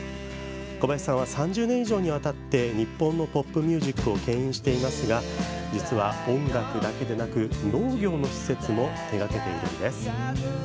小林さんは３０年以上にわたって日本のポップミュージックをけん引していますが実は、音楽だけでなく農業の施設も手がけているんです。